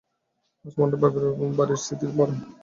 আজ মনটা বাপের বাড়ির স্মৃতিতে ভরা।